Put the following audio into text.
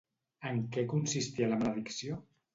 En què consistia la maledicció?